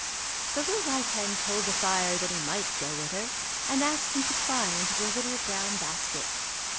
The little white hen told the fire that he might go with her and asked him to climb into the little brown basket.